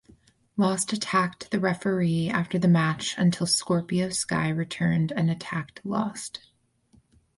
Lost attacked the referee after the match until Scorpio Sky returned and attacked Lost.